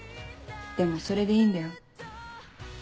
でもそれでいいんだよ。